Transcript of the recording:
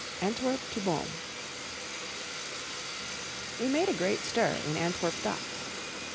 _ ANTWERP TO BOOM WE made a great stir in Antwerp Docks.